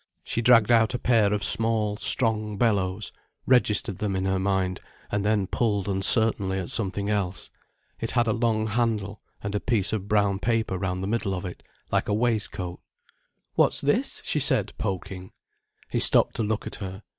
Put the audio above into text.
She dragged out a pair of small, strong bellows, registered them in her mind, and then pulled uncertainly at something else. It had a long handle, and a piece of brown paper round the middle of it, like a waistcoat. "What's this?" she said, poking. He stopped to look at her.